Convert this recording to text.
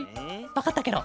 わかったケロ。